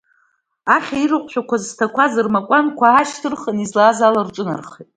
Ахьа ирҟәшәақәаз зҭақәаз рмакәзанқәа аашьҭырхын, излааз ала рҿынархеит.